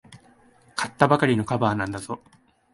買ったばかりのカバーなんだぞ。